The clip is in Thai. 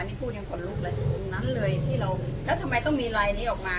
นี่พูดยังขนลุกเลยตรงนั้นเลยที่เราแล้วทำไมต้องมีลายนี้ออกมา